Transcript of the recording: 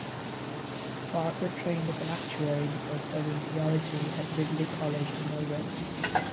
Barker trained as an actuary before studying theology at Ridley College in Melbourne.